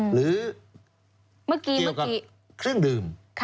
หรือเกี่ยวกับเครื่องดื่ม